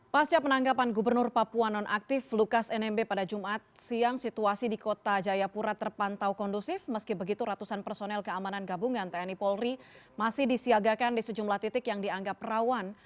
pasca penanggapan gubernur papua nonaktif lukas nmb pada jumat siang situasi di kota jayapura terpantau kondusif meski begitu ratusan personel keamanan gabungan tni polri masih disiagakan di sejumlah titik yang dianggap rawan